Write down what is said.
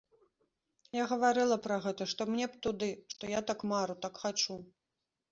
Я гаварыла пра гэта, што мне б туды, што я так мару, так хачу.